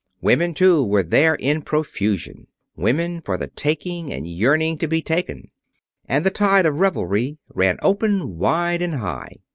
Women, too, were there in profusion; women for the taking and yearning to be taken; and the tide of revelry ran open, wide, and high.